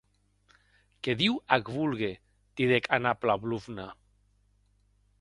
Que Diu ac volgue!, didec Anna Pavlovna.